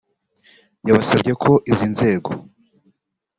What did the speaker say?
yabasabye ko izi nzego